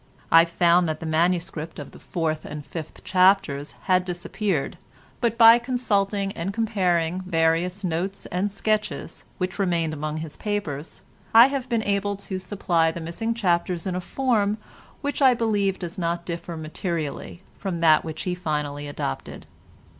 I found that the MS. of the fourth and fifth chapters had disappeared, but by consulting and comparing various notes and sketches, which remained among his papers, I have been able to supply the missing chapters in a form which I believe does not differ materially from that which he finally adopted.